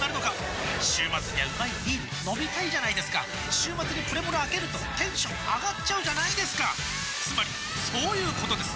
週末にはうまいビール飲みたいじゃないですか週末にプレモルあけるとテンション上がっちゃうじゃないですかつまりそういうことです！